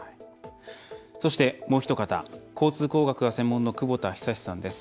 そして、もうひと方交通工学がご専門の久保田尚さんです。